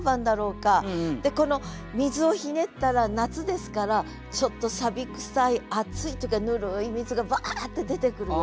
で水をひねったら夏ですからちょっとくさい熱いとかぬるい水がバーッて出てくるような。